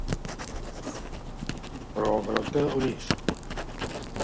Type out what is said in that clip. Però el Garota on és?